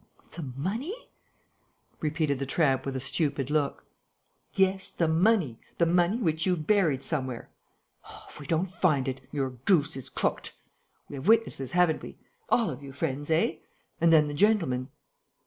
"The money?" repeated the tramp with a stupid look. "Yes, the money! The money which you've buried somewhere.... Oh, if we don't find it, your goose is cooked!... We have witnesses, haven't we?... All of you, friends, eh? And then the gentleman...."